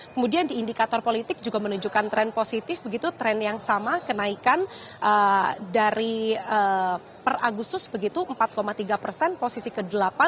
kemudian di indikator politik juga menunjukkan tren positif begitu tren yang sama kenaikan dari per agustus begitu empat tiga persen posisi ke delapan